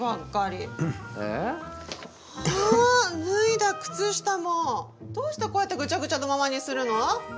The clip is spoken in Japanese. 脱いだ靴下もどうしてこうやってぐちゃぐちゃのままにするの？